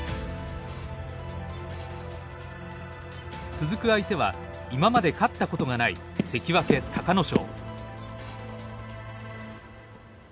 続く相手は今まで勝ったことがない関脇隆の勝。